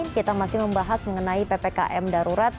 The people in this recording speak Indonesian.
kita masih membahas mengenai ppkm darurat